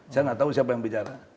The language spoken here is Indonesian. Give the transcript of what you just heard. saya nggak tahu siapa yang bicara